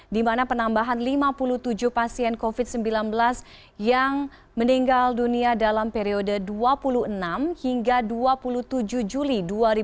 di mana penambahan lima puluh tujuh pasien covid sembilan belas yang meninggal dunia dalam periode dua puluh enam hingga dua puluh tujuh juli dua ribu dua puluh